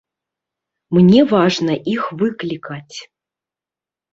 Мне важна іх выклікаць.